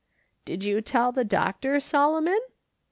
" Did you tell the doctor, Solomon